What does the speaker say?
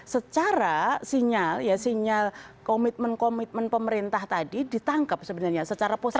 karena sinyal komitmen komitmen pemerintah tadi ditangkap sebenarnya secara positif